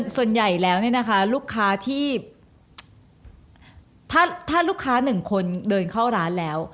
ส่วนใหญ่แล้วลูกค้าหนึ่งคนเดินเข้าร้านแล้ว